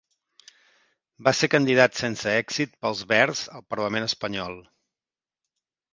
Va ser candidat sense èxit pels Verds al Parlament Espanyol.